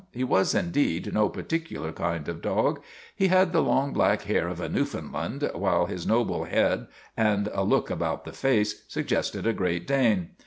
He was indeed no particular kind of dog. He had the long, black hair of a Newfoundland, while his noble head and a look about the face suggested a Great Dane.